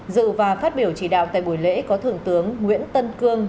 dự và phát biểu chỉ đạo tại buổi lễ có thượng tướng nguyễn tân cương